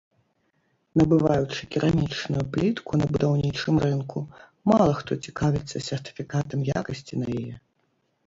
Набываючы керамічную плітку на будаўнічым рынку, мала хто цікавіцца сертыфікатам якасці на яе.